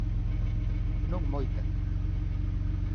Non moita…